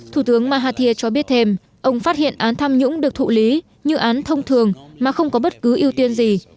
thủ tướng mahathir cho biết thêm ông phát hiện án tham nhũng được thụ lý như án thông thường mà không có bất cứ ưu tiên gì